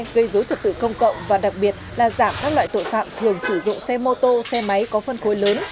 gây dối trật tự công cộng và đặc biệt là giảm các loại tội phạm thường sử dụng xe mô tô xe máy có phân khối lớn